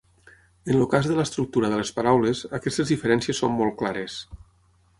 En el cas de l'estructura de les paraules, aquestes diferències són molt clares.